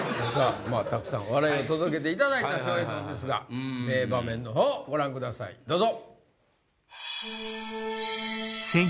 たくさん笑いを届けていただいた笑瓶さんですが名場面の方ご覧くださいどうぞ。